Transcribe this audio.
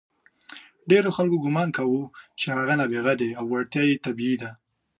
ډېرو خلکو ګمان کاوه چې هغه نابغه دی او وړتیا یې طبیعي ده.